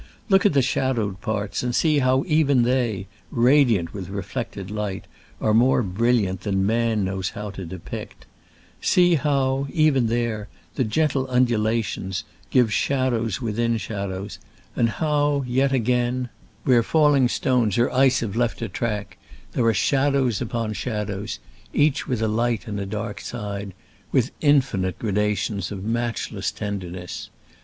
Look at the shadow ed parts and see ho>v even they, radiant with reflected light, are more brilliant than man knows how to depict. See how, even there, the gentle undulations give shadows within shadows, and how, yet again, where falling stones or ice Digitized by Google ,/^ SCRAMBLES AMONGST THE Ai:f^ ^^T^^^ifi^ <\ ^V'43 have left a track, there are shadows upon shadows, each with a light and a dark side, with infinite gradations of matchless tenderness.